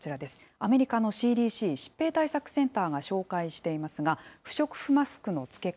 アメリカのＣＤＣ・疾病対策センターが紹介していますが、不織布マスクの着け方。